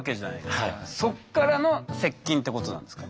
そっからの接近ってことなんですか？